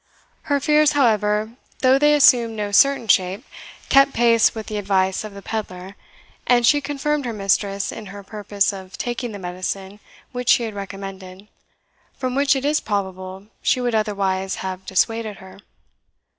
Her fears, however, though they assumed no certain shape, kept pace with the advice of the pedlar; and she confirmed her mistress in her purpose of taking the medicine which he had recommended, from which it is probable she would otherwise have dissuaded her.